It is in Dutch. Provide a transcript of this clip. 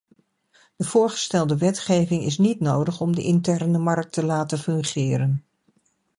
De voorgestelde wetgeving is niet nodig om de interne markt te laten fungeren.